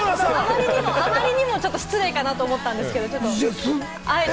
あまりにも失礼かと思ったんですけれども、あえて。